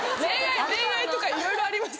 恋愛とかいろいろありますけどね。